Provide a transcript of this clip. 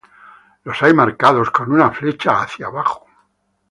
los hay marcados con una flecha hacia abajo